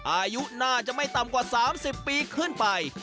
อายุน่าจะไม่ต่ำกว่า๓๐ปีขึ้นไป